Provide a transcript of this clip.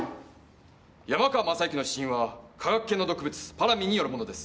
山川雅行の死因は化学系の毒物パラミンによるものです。